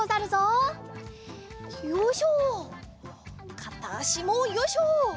かたあしもよいしょ。